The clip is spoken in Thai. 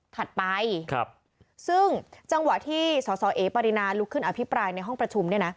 ถัดไปซึ่งจังหวะที่สสเอปรินาลุกขึ้นอภิปรายในห้องประชุมเนี่ยนะ